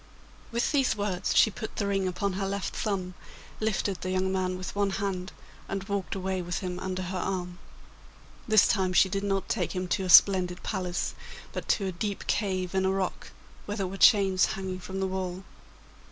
With these words she put the ring upon her left thumb, lifted the young man with one hand, and walked away with him under her arm. This time she did not take him to a splendid palace, but to a deep cave in a rock, where there were chains hanging from the wall.